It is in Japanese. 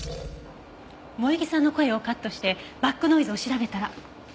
萌衣さんの声をカットしてバックノイズを調べたら。